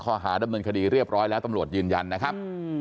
ข้อหาดำเนินคดีเรียบร้อยแล้วตำรวจยืนยันนะครับ